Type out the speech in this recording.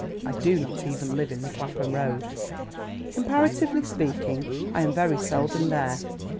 I do not even live in the Clapham Road. Comparatively speaking, I am very seldom there.